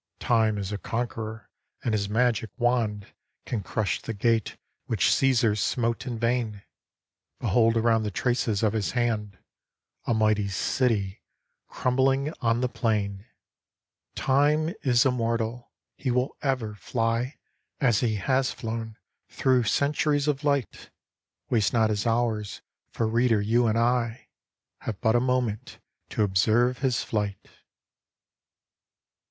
Time is a Conqueror — and his magic wand Can crush the gate which Caesar smote in vain ; Behold around the traces of his hand, A mighty city crumbling on the plain ! Time is Immortal — he will ever fly As he has flown thro' centuries of light : Waste not his hours, — ^for, reader, you and I Have but a moment to observe his flight